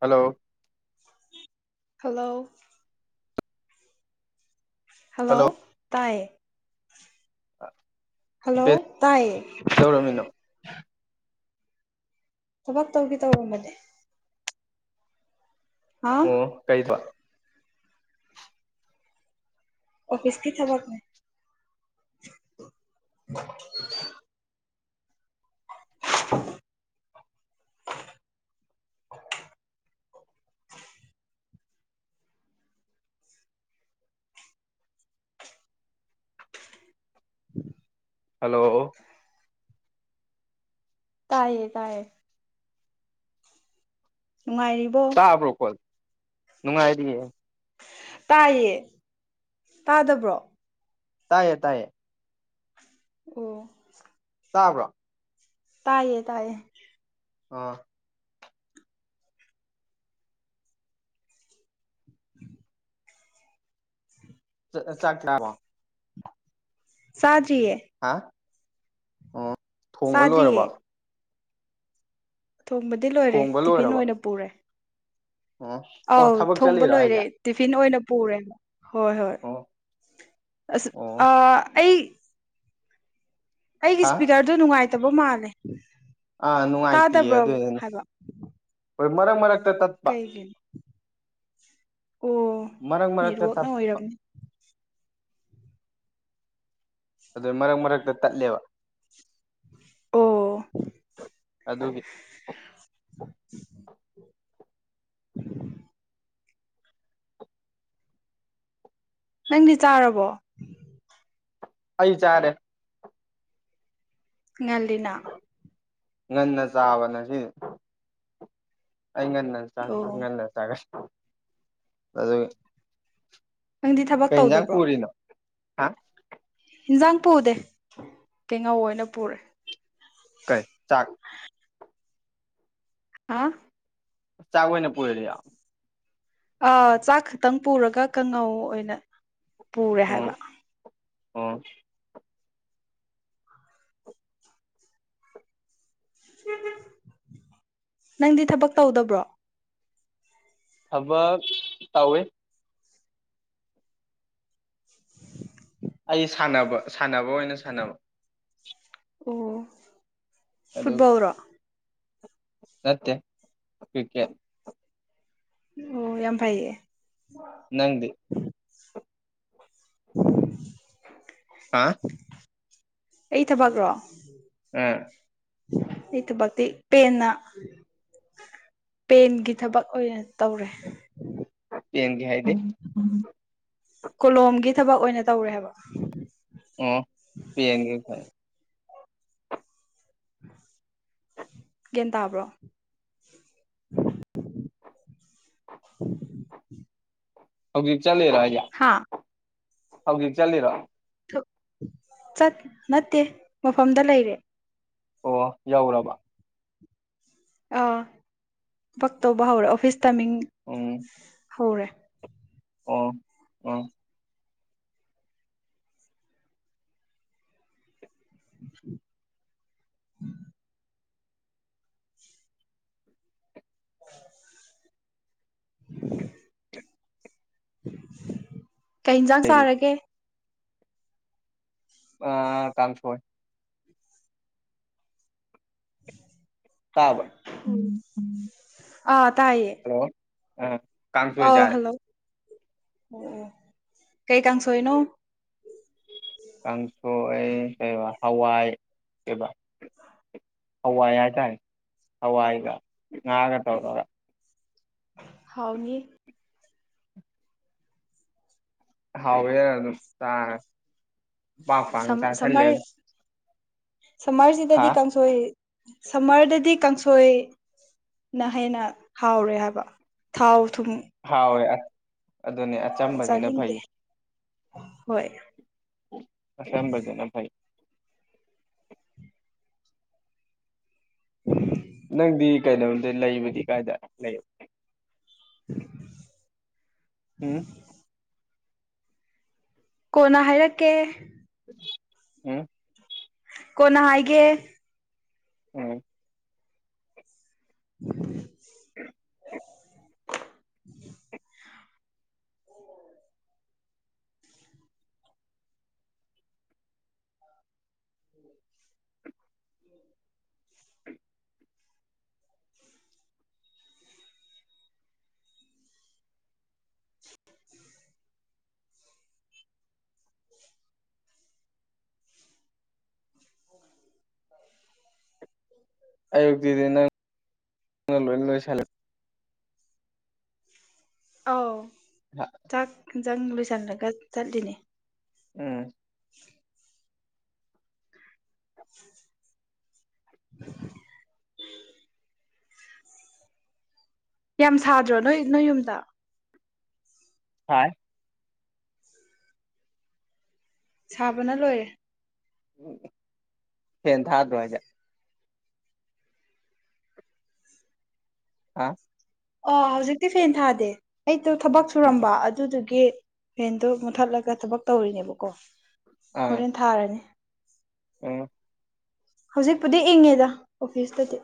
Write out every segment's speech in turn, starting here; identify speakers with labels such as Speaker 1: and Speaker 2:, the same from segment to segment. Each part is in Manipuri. Speaker 1: ꯍꯜꯂꯣ
Speaker 2: ꯍꯜꯂꯣ ꯍꯜꯂꯣ ꯇꯥꯏꯌꯦ
Speaker 1: ꯑ
Speaker 2: ꯍꯜꯂꯣ ꯇꯥꯏꯌꯦ
Speaker 1: [inaudible]
Speaker 2: ꯊꯕꯛ ꯇꯧꯒꯦ ꯇꯧꯔꯝꯕꯅꯦ ꯍꯥ
Speaker 1: ꯑꯣ ꯀꯩ ꯊꯕꯛ
Speaker 2: ꯑꯣꯐꯤꯁꯀꯤ ꯊꯕꯛꯅꯦ [inaudible]
Speaker 1: [unintelligible] ꯍꯜꯂꯣ
Speaker 2: ꯇꯥꯏꯌꯦ ꯇꯥꯏꯌꯦ ꯅꯨꯡꯉꯥꯏꯔꯤꯕꯣ
Speaker 1: ꯇꯥꯕ꯭ꯔꯣ ꯀꯣꯜ ꯅꯨꯡꯉꯥꯏꯔꯤꯌꯦ
Speaker 2: ꯇꯥꯏꯌꯦ ꯇꯥꯗꯕ꯭ꯔꯣ
Speaker 1: ꯇꯥꯏꯌꯦ ꯇꯥꯏꯌꯦ
Speaker 2: ꯑꯣ
Speaker 1: ꯇꯥꯕ꯭ꯔꯣ
Speaker 2: ꯇꯥꯏꯌꯦ ꯇꯥꯏꯌꯦ
Speaker 1: ꯑꯥ ꯆ ꯆꯥꯛ ꯆꯔꯕꯣ
Speaker 2: ꯆꯥꯗꯔꯤꯌꯦ
Speaker 1: ꯍꯥ ꯑꯣ ꯊꯣꯡꯕ
Speaker 2: ꯆꯥꯗ꯭ꯔꯤꯌꯦ
Speaker 1: ꯂꯣꯏꯔꯕ
Speaker 2: ꯊꯣꯡꯕꯗꯤ ꯂꯣꯏꯔꯦ
Speaker 1: ꯊꯣꯡꯕ
Speaker 2: ꯇꯤꯐꯤꯟ
Speaker 1: ꯂꯣꯏꯔꯕ
Speaker 2: ꯑꯣꯏꯅ ꯄꯨꯔꯦ
Speaker 1: ꯑꯣ ꯑꯣ
Speaker 2: ꯑꯧ
Speaker 1: ꯊꯕꯛ
Speaker 2: ꯊꯣꯡꯕ
Speaker 1: ꯆꯠꯂꯤꯔꯣ
Speaker 2: ꯂꯣꯏꯔꯦ
Speaker 1: ꯍꯥꯏꯁꯦ
Speaker 2: ꯇꯤꯐꯤꯟ ꯑꯣꯏꯅ ꯄꯨꯔꯦ ꯍꯣꯏ ꯍꯣꯏ
Speaker 1: ꯑꯣ
Speaker 2: ꯑꯁ
Speaker 1: ꯑꯣ
Speaker 2: ꯑꯥ ꯑꯩ ꯑꯩꯒꯤ
Speaker 1: ꯍꯥ
Speaker 2: ꯏꯁꯄꯤꯀꯔꯗꯨ ꯅꯨꯡꯉꯥꯏꯇꯕ ꯃꯥꯜꯂꯦ
Speaker 1: ꯑꯥ ꯅꯨꯡꯉꯥꯏꯇꯦꯌꯦ
Speaker 2: ꯇꯥꯗꯕ꯭ꯔꯣ
Speaker 1: ꯑꯗꯨꯏꯗꯨꯅ
Speaker 2: ꯍꯥꯏꯕ
Speaker 1: ꯍꯣꯏ ꯃꯔꯛ ꯃꯔꯛ
Speaker 2: ꯀꯩꯒꯤ ꯑꯣ
Speaker 1: ꯃꯔꯛ ꯃꯔꯛꯇ
Speaker 2: ꯅꯦꯠꯋꯥꯛꯅ
Speaker 1: ꯇꯠ
Speaker 2: ꯑꯣꯏꯔꯝꯅꯤ
Speaker 1: ꯑꯗꯨ ꯃꯔꯛ ꯃꯔꯛꯇ ꯇꯠꯂꯦꯕ
Speaker 2: ꯑꯣ
Speaker 1: ꯑꯗꯨꯒꯤ
Speaker 2: [inaudible] [inaudible] ꯅꯪꯗꯤ ꯆꯥꯔꯕꯣ
Speaker 1: ꯑꯩ ꯆꯔꯦ
Speaker 2: ꯉꯜꯂꯤꯅ
Speaker 1: ꯉꯟꯅ ꯆꯥꯕꯉꯁꯤꯗꯤ ꯑꯩ ꯉꯟꯅ
Speaker 2: ꯑꯣ
Speaker 1: ꯉꯟꯅ ꯆꯥꯔꯦ ꯑꯗꯨꯒꯤ
Speaker 2: ꯅꯪꯗꯤ ꯊꯕꯛ
Speaker 1: ꯀꯩ ꯏꯟꯖꯥꯡ
Speaker 2: ꯇꯧꯗꯕ꯭ꯔꯣ
Speaker 1: ꯄꯨꯔꯤꯅꯣ ꯍꯥ
Speaker 2: ꯏꯟꯁꯥꯡ ꯄꯨꯗꯦ ꯀꯩꯉꯧ ꯑꯣꯏꯅ ꯄꯨꯔꯦ
Speaker 1: ꯀꯩ ꯆꯥꯛ
Speaker 2: ꯍꯥꯥ
Speaker 1: ꯆꯥꯛꯑꯣꯏꯅ ꯄꯨꯔꯤ ꯔꯣ
Speaker 2: ꯑꯥ ꯆꯥꯛ ꯈꯛꯇꯪ ꯄꯨꯔꯒ ꯀꯥꯡꯉꯧ ꯑꯣꯏꯅ ꯄꯨꯔꯦ ꯍꯥꯏꯕ
Speaker 1: ꯑꯣ
Speaker 2: ꯅꯪꯗꯤ ꯊꯕꯛ ꯇꯧꯗꯕ꯭ꯔꯣ
Speaker 1: ꯊꯕꯛ ꯇꯧꯋꯦ
Speaker 2: [inaudible]
Speaker 1: ꯑꯩ ꯁꯥꯟꯅꯕ ꯁꯥꯟꯅꯕ ꯑꯣꯏꯅ ꯁꯥꯟꯅꯕ
Speaker 2: ꯑꯣ
Speaker 1: ꯑꯗꯨ
Speaker 2: ꯐꯨꯠꯕꯣꯜꯔꯣ
Speaker 1: ꯅꯠꯇꯦ ꯀ꯭ꯔꯤꯀꯦꯠ
Speaker 2: ꯑꯣ ꯌꯥꯝ ꯐꯩꯌꯦ
Speaker 1: ꯅꯪꯗꯤ
Speaker 2: [inaudible]
Speaker 1: ꯍꯥ
Speaker 2: ꯑꯩ ꯊꯕꯛꯔꯣ
Speaker 1: ꯑꯥ
Speaker 2: ꯑꯩ ꯊꯕꯛꯇꯤ ꯄꯦꯟꯅ ꯄꯦꯟꯒꯤ ꯊꯕꯛ ꯑꯣꯏꯅ ꯇꯧꯔꯦ
Speaker 1: ꯄꯦꯟꯒꯤ ꯍꯥꯏ
Speaker 2: ꯀꯣꯂꯣꯝꯒꯤ ꯊꯕꯛ ꯑꯣꯏꯅ ꯇꯧꯔꯦ ꯍꯥꯏꯕ
Speaker 1: ꯑꯣ ꯄꯦꯟꯒꯤ ꯐꯩ
Speaker 2: ꯒ꯭ꯌꯥꯟ ꯇꯥꯕ꯭ꯔꯣ [inaudible]
Speaker 1: ꯍꯧꯖꯤꯛ ꯆꯠꯂꯤꯔꯣ ꯍꯥꯏꯖꯦ
Speaker 2: ꯍꯥ
Speaker 1: ꯍꯧꯖꯤꯛ ꯆꯠꯂꯤꯔꯣ
Speaker 2: ꯊ ꯆꯠ ꯅꯠꯇꯦ ꯃꯐꯝꯗ ꯂꯩꯔꯦ
Speaker 1: ꯑꯣ ꯌꯧꯔꯕ
Speaker 2: ꯑꯥ ꯊꯕꯛ ꯇꯧꯕ ꯍꯧꯔꯦ ꯑꯣꯐꯤꯁ ꯇꯥꯏꯃꯤꯡ
Speaker 1: ꯎꯝ
Speaker 2: ꯍꯧꯔꯦ
Speaker 1: ꯑꯣ ꯑꯣ
Speaker 2: [inaudible] [unintelligible]
Speaker 1: [inaudible]
Speaker 2: ꯀꯩ ꯍꯤꯟꯖꯥꯡ
Speaker 1: ꯂꯩꯔꯤ
Speaker 2: ꯆꯥꯔꯒꯦ
Speaker 1: ꯑꯥ ꯀꯥꯡꯁꯣꯏ ꯇꯥꯕ꯭ꯔ
Speaker 2: ꯑꯥ ꯇꯥꯏꯌꯦ
Speaker 1: ꯎꯝ ꯀꯥꯡꯁꯣꯏ ꯆꯥꯔꯦ
Speaker 2: ꯎꯝ ꯎꯝ ꯀꯩ ꯀꯥꯡꯁꯣꯏꯅꯣ
Speaker 1: ꯀꯥꯡꯁꯣꯏ ꯀꯩꯕ ꯍꯋꯥꯏ ꯀꯩꯕ ꯍꯋꯥꯏ ꯍꯥꯏꯇꯥꯔꯦ ꯍꯋꯥꯏꯒ ꯉꯥꯒ ꯇꯧꯔꯒ
Speaker 2: ꯍꯥꯎꯅꯤ
Speaker 1: ꯍꯥꯎꯋꯦ ꯑꯗꯨꯝ ꯆꯥꯔꯦ ꯄꯥꯡ ꯄꯥꯡ ꯆꯥꯁꯜꯂꯦ
Speaker 2: ꯁꯝꯃꯔ
Speaker 1: ꯍꯥ
Speaker 2: ꯁꯝꯃꯔꯁꯤꯗꯗꯤ ꯀꯥꯡꯁꯣꯏ ꯁꯝꯃꯔꯗꯗꯤ ꯀꯥꯡꯁꯣꯏ ꯅ ꯍꯦꯟꯅ ꯍꯥꯎꯔꯦ ꯍꯥꯏꯕ ꯊꯥꯎ ꯊꯨꯝ
Speaker 1: ꯍꯥꯎꯋꯦ ꯑꯗꯨꯅꯦ ꯑꯆꯝꯕꯁꯤꯅ
Speaker 2: ꯆꯥꯅꯤꯡꯗꯦ
Speaker 1: ꯐꯩ
Speaker 2: ꯍꯣꯏ
Speaker 1: ꯑꯆꯝꯕꯁꯤꯅ ꯐꯩ
Speaker 2: [unintelligible]
Speaker 1: ꯅꯪꯗꯤ ꯀꯩꯅꯣꯝꯗꯤ ꯂꯩꯕꯗꯤ ꯀꯥꯏꯗ ꯂꯩ ꯎꯝ
Speaker 2: ꯀꯣꯟꯅ ꯍꯥꯏꯔꯛꯀꯦ
Speaker 1: ꯎꯝ
Speaker 2: ꯀꯣꯅ ꯍꯥꯏꯒꯦ
Speaker 1: ꯎꯝ
Speaker 2: [unintelligible]
Speaker 1: [unintelligible]
Speaker 2: [unintelligible] [inaudible]
Speaker 1: ꯑꯌꯨꯛꯇꯤꯗꯤ ꯅꯪ ꯅꯪ ꯂꯣꯏꯅ ꯂꯣꯏꯁꯜꯂꯦ
Speaker 2: ꯑꯥꯎ ꯆꯥꯛ ꯍꯤꯟꯖꯥꯡ ꯂꯣꯏꯁꯜꯂꯒ ꯆꯠꯂꯤꯅꯦ
Speaker 1: ꯎꯝ
Speaker 2: [unintelligible] [unintelligible] ꯌꯥꯝ ꯁꯥꯗ꯭ꯔꯣ ꯅꯣꯏ ꯅꯣꯏ ꯌꯨꯝꯗ
Speaker 1: ꯁꯥꯏ
Speaker 2: ꯁꯥꯕꯅ ꯂꯣꯏꯔꯦ
Speaker 1: ꯎꯝ ꯐꯦꯟ ꯊꯥꯗ꯭ꯔꯣ ꯍꯥꯏꯖꯦ ꯍꯥ
Speaker 2: ꯑꯣ ꯍꯧꯖꯤꯛꯇꯤ ꯐꯦꯟ ꯊꯥꯗꯦ ꯑꯩꯗꯣ ꯊꯕꯛ
Speaker 1: ꯎꯝ
Speaker 2: ꯁꯨꯔꯝꯕ ꯑꯗꯨꯗꯨꯗꯤ ꯒꯤ ꯐꯦꯟꯗꯣ ꯃꯨꯊꯠꯂꯒ ꯊꯕꯛ ꯇꯧꯔꯤꯅꯦꯕꯀꯣ ꯍꯣꯔꯦꯟ ꯊꯥꯔꯅꯤ
Speaker 1: ꯎ
Speaker 2: ꯍꯧꯖꯤꯛꯄꯨꯗꯤ ꯏꯪꯉꯦꯗ ꯑꯣꯐꯤꯁꯇꯗꯤ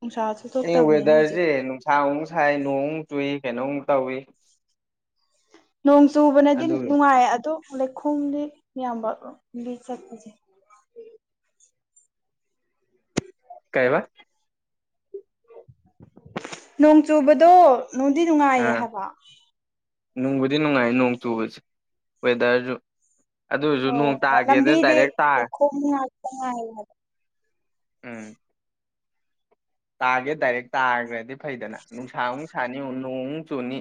Speaker 2: ꯅꯨꯡꯁꯥꯁꯨ
Speaker 1: ꯑꯩ
Speaker 2: ꯊꯣꯛꯇꯕꯅꯤꯅ ꯍꯧꯖꯤꯛ
Speaker 1: ꯋꯦꯗꯔꯁꯦ ꯅꯨꯡꯁꯥ ꯃꯨꯛ ꯁꯥꯏ ꯅꯣꯡ ꯃꯨꯛ ꯆꯨꯏ ꯀꯩꯅꯣ ꯃꯨꯛ ꯇꯧꯏ
Speaker 2: ꯅꯣꯡ ꯆꯨꯕꯅꯗꯤ
Speaker 1: ꯑꯗꯨ
Speaker 2: ꯅꯨꯡꯉꯥꯏ ꯑꯗꯣ ꯂꯩꯈꯣꯝꯗꯤ ꯌꯥꯝꯕ ꯂꯝꯕꯤ ꯆꯠꯄꯁꯦ
Speaker 1: ꯀꯩꯕ
Speaker 2: ꯅꯣꯡ ꯆꯨꯕꯗꯣ ꯅꯨꯡꯗꯤ ꯅꯨꯡꯉꯥꯏꯌꯦ
Speaker 1: ꯑꯥ
Speaker 2: ꯍꯥꯏꯕ
Speaker 1: ꯅꯨꯡꯕꯨꯗꯤ ꯅꯨꯡꯉꯥꯏ ꯅꯣꯡ ꯆꯨꯕꯁꯦ ꯋꯦꯗꯔꯁꯨ ꯑꯗꯨꯏꯁꯨ
Speaker 2: ꯑꯣ
Speaker 1: ꯅꯣꯡ ꯇꯥꯒꯦꯗ
Speaker 2: ꯂꯝꯕꯤꯗꯤ
Speaker 1: ꯗꯥꯏꯔꯦꯛ ꯇꯥꯔ
Speaker 2: ꯂꯩꯈꯣꯝ [unintelligible]
Speaker 1: ꯎꯝ ꯇꯥꯒꯦ ꯗꯥꯏꯔꯦꯛ ꯇꯥꯈ꯭ꯔꯗꯤ ꯐꯩꯗꯅ ꯅꯨꯡꯁꯥꯃꯨꯛ ꯁꯥꯅꯤ ꯅꯣꯡꯃꯨꯛ ꯆꯨꯅꯤ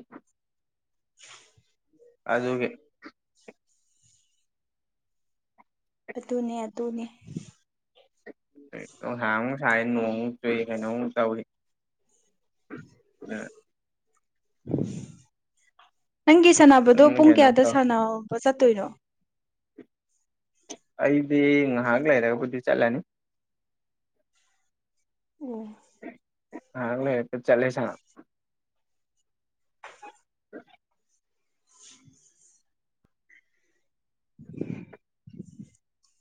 Speaker 1: ꯑꯗꯨꯒꯤ
Speaker 2: ꯑꯗꯨꯅꯦ ꯑꯗꯨꯅꯦ
Speaker 1: ꯅꯨꯡꯁꯥ ꯑꯃꯨꯛ ꯁꯥꯏ ꯅꯣꯡ ꯑꯃꯨꯛ ꯆꯨꯏ ꯀꯩꯅꯣ ꯑꯃꯨꯛ ꯇꯧꯋꯤ
Speaker 2: [inaudible]
Speaker 1: ꯑ
Speaker 2: ꯅꯪꯒꯤ ꯁꯥꯟꯅꯕꯗꯣ ꯄꯨꯡ
Speaker 1: ꯀꯩꯅꯣꯝ
Speaker 2: ꯀꯌꯥꯗ
Speaker 1: ꯇꯧ
Speaker 2: ꯁꯥꯟꯅꯕ ꯆꯠꯇꯣꯏꯅꯣ
Speaker 1: ꯑꯩꯗꯤ ꯉꯥꯏꯍꯥꯛ ꯂꯩꯔꯕꯨꯗꯤ ꯆꯠꯂꯅꯤ
Speaker 2: ꯎꯝ
Speaker 1: ꯉꯍꯥꯛ ꯂꯩꯔꯒ ꯆꯠꯂꯦ ꯁꯅꯥꯞ [inaudible]
Speaker 2: [inaudible]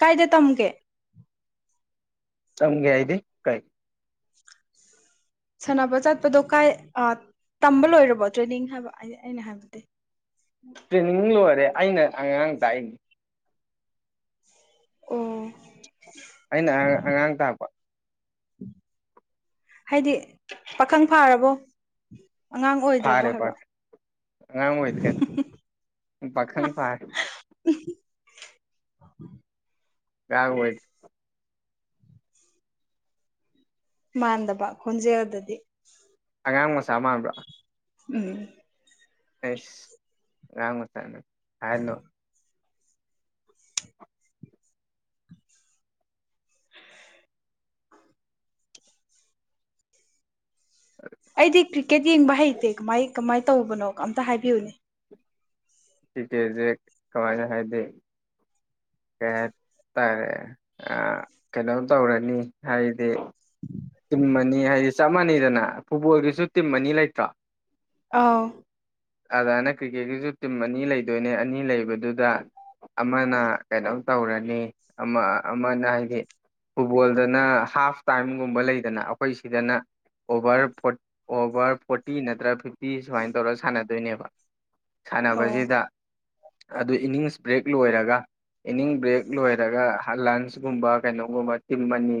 Speaker 2: ꯀꯥꯏꯗ ꯇꯝꯒꯦ
Speaker 1: ꯇꯝꯒꯦ ꯍꯥꯏꯗꯤ ꯀꯩ
Speaker 2: ꯁꯥꯟꯅꯕ ꯆꯠꯄꯗꯣ ꯀꯥꯏ ꯑꯥ ꯇꯝꯕ ꯂꯣꯏꯔꯕꯣ ꯇ꯭ꯔꯦꯅꯤꯡ ꯍꯥꯏꯕ ꯑ ꯑꯩꯅ ꯍꯥꯏꯕꯗꯤ
Speaker 1: ꯇ꯭ꯔꯦꯅꯤꯡ ꯂꯣꯏꯔꯦ ꯑꯩꯅ ꯑꯉꯥꯡ ꯇꯥꯛꯏꯅꯤ
Speaker 2: ꯑꯣ
Speaker 1: ꯑꯩꯅ ꯑꯉꯥ ꯑꯉꯥꯡ ꯇꯥꯛꯄ
Speaker 2: ꯍꯥꯏꯗꯤ ꯄꯥꯈꯪ ꯐꯥꯔꯕꯣ ꯑꯉꯥꯡ ꯑꯣꯏꯗ꯭ꯔꯕꯣ
Speaker 1: ꯐꯥꯔꯦ
Speaker 2: ꯍꯥꯏꯕ
Speaker 1: ꯑꯉꯥꯡ ꯑꯣꯏꯗ꯭ꯔꯦ ꯄꯥꯈꯪ ꯐꯥꯔꯦ UNINTELLIGIBLE
Speaker 2: ꯃꯥꯟꯗꯕ ꯈꯣꯟꯖꯦꯜꯗꯗꯤ
Speaker 1: ꯑꯉꯥꯡ ꯃꯆꯥ ꯃꯥꯟꯕ꯭ꯔꯥ
Speaker 2: INAUDIBLE
Speaker 1: UNINTELLIGIBLE
Speaker 2: ꯑꯩꯗꯤ ꯀ꯭ꯔꯤꯀꯦꯠ ꯌꯦꯡꯕ ꯍꯩꯇꯦ ꯀꯝꯃꯥꯏ- ꯀꯝꯃꯥꯏ ꯇꯧꯕꯅꯣ ꯑꯝꯇ ꯍꯥꯏꯕꯤꯌꯨꯅꯦ
Speaker 1: ꯇꯤꯇꯦꯖꯦ ꯀꯃꯥꯏꯅ ꯍꯥꯏꯗꯤ ꯀꯩ ꯍꯥꯏ ꯇꯥꯔꯦ ꯑꯥ ꯀꯩꯅꯣꯝ ꯇꯧꯔꯅꯤ ꯍꯥꯏꯗꯤ ꯇꯤꯝ ꯑꯅꯤ ꯍꯥꯏꯗꯤ ꯆꯞ ꯃꯥꯟꯅꯩꯗꯅ ꯐꯨꯠꯕꯣꯜꯒꯤꯖꯨ ꯇꯤꯝ ꯑꯅꯤ ꯂꯩꯇ꯭ꯔꯣ
Speaker 2: ꯑꯥꯎ
Speaker 1: ꯑꯗꯥꯏꯅ ꯀ꯭ꯔꯤꯛꯀꯦꯠꯀꯤꯖꯨ ꯇꯤꯝ ꯑꯅꯤ ꯂꯩꯗꯣꯏꯅꯦ ꯑꯅꯤ ꯂꯩꯕꯗꯨꯗ ꯑꯃꯅ ꯀꯩꯅꯣꯝ ꯇꯧꯔꯅꯤ ꯑꯃ ꯑꯃꯅ ꯍꯥꯏꯗꯤ ꯐꯨꯠꯕꯣꯜꯗꯅ ꯍꯥꯐ ꯇꯥꯏꯝꯒꯨꯝꯕ ꯂꯩꯗꯅ ꯑꯩꯈꯣꯏ ꯁꯤꯗꯅ ꯑꯣꯚꯔ ꯐꯣꯠ ꯑꯣꯚꯔ ꯐꯣꯔꯇꯤ ꯅꯠꯇ꯭ꯔ ꯐꯤꯞꯇꯤ ꯁꯨꯝꯃꯥꯏꯟ ꯇꯧꯔ ꯁꯥꯟꯅꯗꯣꯏꯅꯦꯕ
Speaker 2: ꯑꯣ
Speaker 1: ꯁꯥꯟꯅꯕꯖꯤꯗ ꯑꯗꯨ ꯏꯅꯤꯡꯁ ꯕ꯭ꯔꯦꯛ ꯂꯣꯏꯔꯒ ꯏꯅꯤꯡꯁ ꯕ꯭ꯔꯦꯛ ꯂꯣꯏꯔꯒ ꯍꯂꯟꯁꯀꯨꯝꯕ ꯀꯩꯅꯣꯒꯨꯝꯕ ꯇꯤꯝ ꯑꯅꯤ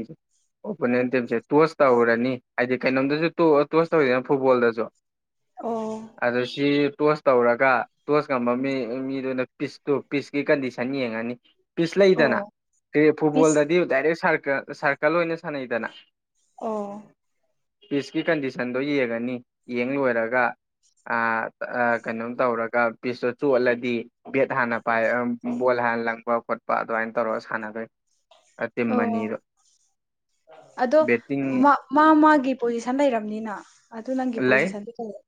Speaker 1: ꯑꯣꯄꯣꯅꯦꯟ ꯇꯤꯝꯁꯦ ꯇꯣꯁ ꯇꯧꯔꯅꯤ ꯍꯥꯏꯗꯤ ꯀꯩꯅꯣꯝꯗꯖꯨ ꯇꯣꯑ ꯇꯣꯁ ꯇꯧꯋꯤꯗꯅ ꯐꯨꯠꯕꯣꯜꯗꯖꯨ
Speaker 2: ꯑꯣ
Speaker 1: ꯑꯗꯨ ꯁꯤ ꯇꯣꯁ ꯇꯧꯔꯒ ꯇꯣꯁ ꯉꯝꯕ ꯃꯤ ꯃꯤꯗꯨꯅ ꯄꯤꯁꯇꯨ ꯄꯤꯁꯀꯤ ꯀꯟꯗꯤꯁꯟ ꯌꯦꯡꯉꯥꯅꯤ ꯄꯤꯁ ꯂꯩꯗꯅ
Speaker 2: ꯑꯣ ꯄꯤꯁ
Speaker 1: ꯐꯨꯠꯕꯣꯜꯗꯗꯤ ꯗꯥꯏꯔꯦꯛ ꯁꯥꯔꯀꯔ ꯁꯥꯔꯀꯜ ꯑꯣꯏꯅ ꯁꯥꯟꯅꯩꯗꯅ
Speaker 2: ꯑꯣꯑꯣ
Speaker 1: ꯄꯤꯁꯀꯤ ꯀꯟꯗꯤꯁꯟꯗꯣ ꯌꯦꯡꯉꯥꯅꯤ ꯌꯦꯡ ꯂꯣꯏꯔꯒ ꯑꯥ ꯑꯥ ꯀꯩꯅꯣꯝ ꯇꯧꯔꯒ ꯄꯤꯁꯇꯣ ꯇꯣꯠꯂꯗꯤ ꯕꯦꯠ ꯍꯥꯟꯅ ꯄꯥꯏ ꯕꯣꯜ ꯑꯥ ꯂꯪꯕ- ꯈꯣꯠꯄ ꯑꯗꯨꯃꯥꯏꯅ ꯇꯧꯔꯒ ꯁꯥꯟꯅꯗꯣꯏ ꯑꯥ ꯇꯤꯝ
Speaker 2: ꯑꯣ
Speaker 1: ꯑꯅꯤꯗꯣ
Speaker 2: ꯑꯗꯣ
Speaker 1: ꯕꯦꯠꯇꯤꯡ
Speaker 2: ꯃꯥ ꯃꯥꯒꯤ ꯄꯣꯖꯤꯁꯟ ꯂꯩꯔꯕꯝꯅꯤꯅ ꯑꯗꯨ ꯅꯪꯒꯤ
Speaker 1: ꯂꯩ
Speaker 2: ꯄꯣꯖꯤꯁꯟꯗꯨ ꯂꯩꯌꯨ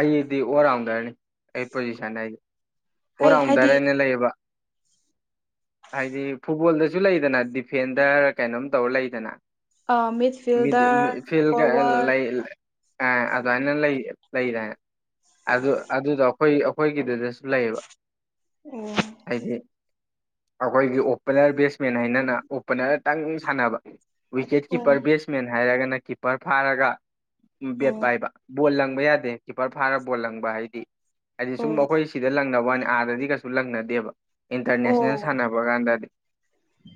Speaker 1: ꯑꯩꯗꯤ ꯑꯣꯜ ꯔꯥꯎꯟꯗꯔꯅꯤ ꯑꯩ ꯄꯣꯖꯤꯁꯟ ꯍꯥꯏꯗꯤ ꯑꯣꯜ
Speaker 2: ꯍꯥꯏ ꯍꯥꯏꯗꯤ
Speaker 1: ꯔꯥꯎꯟꯗꯔ ꯍꯥꯏꯅ ꯂꯩꯌꯦꯕ INAUDIBLE ꯍꯥꯏꯗꯤ ꯐꯨꯠꯕꯣꯜꯗꯖꯨ ꯂꯩꯗꯅ ꯗꯤꯐꯦꯟꯗꯔ ꯀꯩꯅꯣꯝ ꯇꯧꯔ ꯂꯩꯗꯅ
Speaker 2: ꯃꯤꯗ ꯐꯤꯜꯗꯔ
Speaker 1: ꯏꯣꯓꯐꯤꯜꯒ
Speaker 2: ꯐꯣꯔꯋꯥꯔꯗ
Speaker 1: ꯂꯩ ꯑꯗꯨꯋꯥꯏꯅ ꯂꯩꯑꯕꯥ ꯂꯩꯔꯦ ꯑꯗꯨ ꯑꯗꯨꯗꯣ ꯑꯩꯈꯣꯏ ꯑꯩꯈꯣꯏꯒꯤꯗꯨꯗꯁꯨ ꯂꯩꯌꯦꯕ ꯍꯥꯏꯗꯤ
Speaker 2: ꯑꯣꯑꯣ
Speaker 1: ꯑꯩꯈꯣꯏꯒꯤ ꯑꯣꯄꯅꯔ ꯕꯦꯠꯁꯃꯦꯟ ꯍꯥꯏꯅꯅ ꯑꯣꯄꯅꯔꯇꯪ ꯁꯥꯟꯅꯕ ꯋꯤꯀꯦꯠ
Speaker 2: ꯑꯣ
Speaker 1: ꯀꯤꯞꯄꯔ ꯕꯦꯠꯁꯃꯦꯟ ꯍꯥꯏꯔꯒꯅ ꯀꯤꯞꯄꯔ ꯐꯥꯔꯒ ꯕꯦꯠ
Speaker 2: ꯑꯣ
Speaker 1: ꯄꯥꯏꯕ ꯕꯣꯜ ꯂꯪ
Speaker 2: ꯑꯣ
Speaker 1: UNINTELLIGIBLE ꯑꯥꯗꯗꯤ ꯀꯩꯁꯨ ꯂꯪꯅꯗꯦꯕ ꯏꯟꯇꯔꯅꯦꯁꯅꯦꯜ
Speaker 2: ꯑꯣ
Speaker 1: ꯁꯥꯟꯅꯕ ꯀꯥꯟꯗꯗꯤ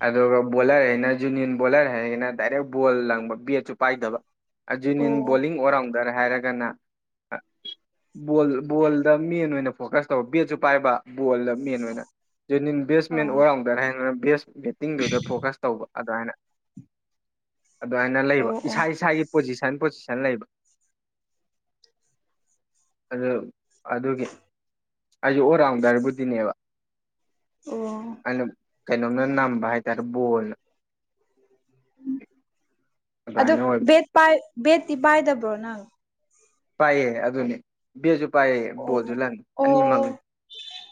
Speaker 1: ꯑꯗꯨꯒ ꯕꯣꯂꯔ ꯍꯥꯏꯅ ꯖꯨꯅꯤꯌꯟ ꯕꯣꯂꯔ ꯍꯥꯏ ꯔꯒꯅ ꯗꯥꯏꯔꯦꯛ ꯕꯣꯜ ꯂꯪꯕ ꯕꯦꯠꯁꯨ ꯄꯥꯏꯗꯕ ꯑꯖꯨꯅꯤꯟ
Speaker 2: ꯑꯣ
Speaker 1: ꯕꯣꯂꯤꯡ ꯑꯣꯜ ꯔꯥꯎꯟꯗꯔ ꯍꯥꯏꯔꯒꯅ ꯕꯣꯜ ꯕꯣꯜꯗ ꯃꯦꯟ ꯑꯣꯏꯅ ꯐꯣꯀꯁ ꯇꯧꯕ ꯕꯦꯠꯁꯨ ꯄꯥꯏꯕ ꯕꯣꯜꯗ ꯃꯦꯟ ꯑꯣꯏꯅ ꯖꯦꯅꯤꯌꯟ ꯕꯦꯠꯁꯃꯦꯟ ꯑꯣꯜ ꯔꯥꯎꯟꯗꯔ ꯍꯥꯏꯔꯒꯅ ꯕꯦꯁ ꯕꯦꯠꯇꯤꯡꯗꯨꯗ ꯐꯣꯀꯁ ꯇꯧꯕ ꯑꯗꯨꯋꯥꯏꯅ ꯑꯗꯨꯋꯥꯏꯅ ꯂꯩꯕ
Speaker 2: ꯑꯣ ꯑꯣ
Speaker 1: ꯏꯁꯥ- ꯏꯁꯥꯒꯤ ꯄꯣꯖꯤꯁꯟ- ꯄꯣꯖꯤꯁꯟ ꯂꯩꯕ ꯑꯗꯣ ꯑꯗꯨꯒꯤ ꯑꯩꯖꯨ ꯑꯣꯜ ꯔꯥꯎꯟꯗꯔꯕꯨꯗꯤꯅꯦꯕ
Speaker 2: ꯑꯣꯑꯣ
Speaker 1: ꯀꯩꯅꯣꯅ ꯅꯝꯕ ꯍꯥꯏꯇꯥꯔꯦ ꯕꯣꯜꯅ
Speaker 2: ꯑꯗꯣ
Speaker 1: ꯑꯗꯨꯃꯥꯏꯅ ꯑꯣꯏꯕ
Speaker 2: ꯕꯦꯠ ꯄꯥꯏ ꯕꯦꯠꯇꯤ ꯄꯥꯏꯗꯕ꯭ꯔꯣ ꯅꯪ
Speaker 1: ꯄꯥꯏꯌꯦ ꯑꯗꯨꯅꯤ ꯕꯦꯠꯁꯨ ꯄꯥꯏ ꯕꯣꯜꯁꯨ
Speaker 2: ꯑꯣ
Speaker 1: ꯂꯪꯉꯤ ꯑꯅꯤꯃꯛꯅꯤ
Speaker 2: ꯑꯣ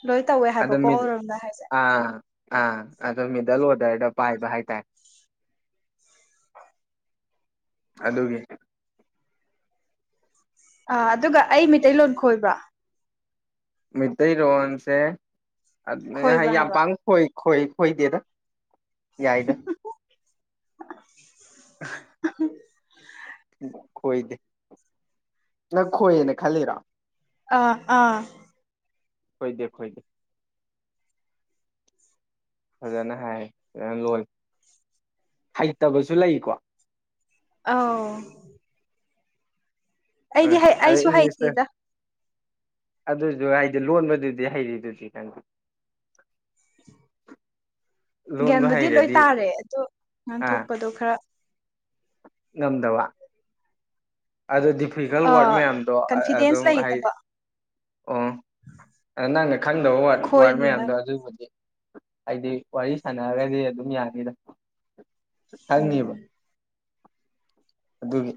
Speaker 2: ꯂꯣꯏ ꯇꯧꯋꯦ
Speaker 1: ꯑꯗꯨ
Speaker 2: ꯍꯥꯏꯕꯀꯣ
Speaker 1: ꯃꯤ
Speaker 2: ꯑꯣꯏꯔꯣꯝꯗ ꯍꯥꯏꯁꯦ
Speaker 1: ꯑꯥ ꯑꯥ ꯑꯣ ꯃꯤꯗꯜ ꯑꯣꯗꯔꯗ ꯄꯥꯏꯕ ꯍꯥꯏꯇꯥꯔꯦ ꯑꯗꯨꯒꯤ
Speaker 2: ꯑꯥ ꯑꯗꯨꯒ ꯑꯩ ꯃꯤꯇꯩꯩꯇꯩꯂꯣꯟ ꯈꯣꯏꯕ꯭ꯔꯥ
Speaker 1: ꯃꯩꯇꯩꯔꯣꯟꯁꯦ ꯑꯗ ꯍꯥꯏ
Speaker 2: ꯈꯣꯏꯕ꯭ꯔꯥ
Speaker 1: ꯌꯥꯝ
Speaker 2: ꯍꯥꯏꯕ
Speaker 1: ꯄꯥꯛꯅ ꯈꯣꯏ ꯍꯣꯏ ꯈꯣꯏꯗꯦꯗ ꯌꯥꯏꯗ ꯈꯣꯏꯗꯦ ꯅꯪ ꯈꯣꯏꯌꯦꯅ ꯈꯜꯂꯤꯔꯥ
Speaker 2: ꯑꯥ ꯑꯥ
Speaker 1: ꯈꯣꯏꯗꯦ ꯈꯣꯏꯗꯦ ꯐꯖꯅ ꯍꯥꯏ ꯐꯖꯅ ꯂꯣꯜꯂꯤ ꯍꯩꯇꯕꯁꯨ ꯂꯩꯀꯣ
Speaker 2: ꯑꯥꯎ
Speaker 1: ꯑ ꯑꯗꯩ
Speaker 2: ꯑꯩꯁꯨ
Speaker 1: ꯏꯪꯂꯤꯁꯇ
Speaker 2: ꯍꯩꯇꯦꯗ
Speaker 1: ꯑꯗꯨꯗꯨ ꯍꯥꯏꯗꯤ ꯂꯣꯟꯕꯗꯨꯗꯤ ꯍꯩꯔꯤꯗꯨꯗꯤ ꯈꯪ [inaudible]
Speaker 2: ꯒ꯭ꯌꯥꯟꯕꯨꯗꯤ ꯂꯣꯏ ꯇꯥꯔꯦ ꯑꯗꯣ
Speaker 1: ꯑꯥ
Speaker 2: ꯉꯥꯡꯊꯣꯛꯄꯗꯣ ꯈꯔ
Speaker 1: ꯉꯝꯗꯕ ꯑꯗꯨꯗꯤ ꯐꯤꯒꯜ ꯋꯥꯔꯗ
Speaker 2: ꯑꯥ
Speaker 1: ꯃꯌꯥꯝꯗꯣ ꯑꯗꯨꯝ
Speaker 2: ꯀꯟꯐꯤꯗꯦꯟꯁ
Speaker 1: ꯍꯥꯏꯗꯤ
Speaker 2: ꯂꯩꯇꯕ
Speaker 1: ꯑꯣ ꯑ ꯅꯪꯅ ꯈꯪꯗꯕ ꯋꯥꯔꯗ
Speaker 2: ꯈꯣꯏꯅꯤꯅ
Speaker 1: ꯃꯌꯥꯝꯗꯣ ꯑꯗꯨꯕꯨꯗꯤ ꯍꯥꯏꯗꯤ ꯋꯥꯔꯤ ꯁꯥꯟꯅꯒ꯭ꯔꯗꯤ ꯑꯗꯨꯝ ꯌꯥꯅꯤꯗ ꯈꯪꯅꯤꯕ
Speaker 2: ꯎꯝ
Speaker 1: ꯑꯗꯨꯒꯤ